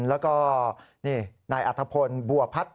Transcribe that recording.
แล้วก็นี่นายอัธพลบัวพัฒน์